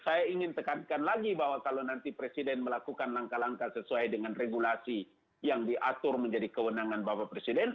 saya ingin tekankan lagi bahwa kalau nanti presiden melakukan langkah langkah sesuai dengan regulasi yang diatur menjadi kewenangan bapak presiden